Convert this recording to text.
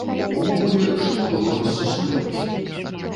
Увогуле, што было рассусольваць?